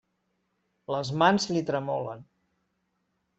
Les mans li tremolen.